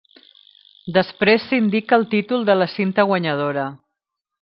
Després s'indica el títol de la cinta guanyadora.